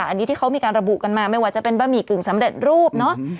อันนี้ที่เขามีการระบุกันมาไม่ว่าจะเป็นบะหมี่กึ่งสำเร็จรูปเนอะ